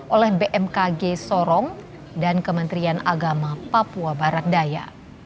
oleh bmkg sorong dan kementerian agama papua barat daya